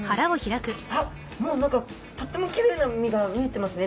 あっもう何かとってもきれいな身が見えてますね。